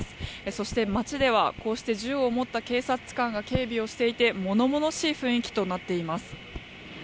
そして、街ではこうして銃を持った警察官が警備をしていて物々しい雰囲気となっています。